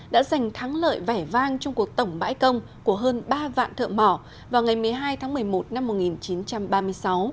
đã giành thắng lợi vẻ vang trong cuộc tổng bãi công của hơn ba vạn thợ mỏ vào ngày một mươi hai tháng một mươi một năm một nghìn chín trăm ba mươi sáu